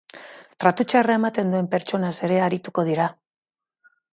Tratu txarra ematen duen pertsonaz ere arituko dira.